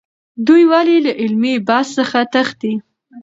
دوی ولې له علمي بحث څخه تښتي؟